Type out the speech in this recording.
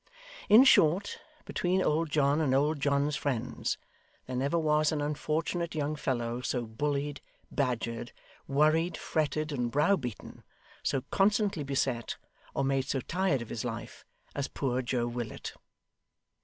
In short, between old John and old John's friends, there never was an unfortunate young fellow so bullied, badgered, worried, fretted, and brow beaten; so constantly beset, or made so tired of his life, as poor Joe Willet.